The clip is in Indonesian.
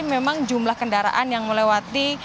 memang jumlah kendaraan yang melewati